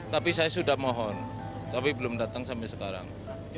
tapi saya sudah mohon tapi belum datang sampai sekarang